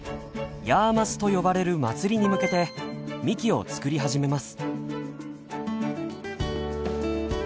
ヤーマスと呼ばれる祭りに向けてみきを作り始めます。